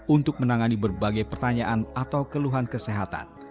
untuk menangani berbagai pertanyaan atau keluhan kesehatan